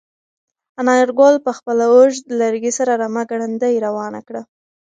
انارګل په خپل اوږد لرګي سره رمه ګړندۍ روانه کړه.